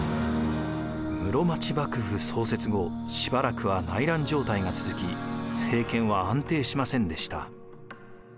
室町幕府創設後しばらくは内乱状態が続き政権は安定しませんでした。